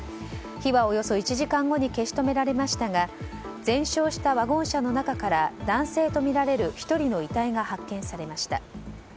火はおよそ１時間後に消し止められましたが全焼したワゴン車の中から男性とみられる１人の遺体が発見されました。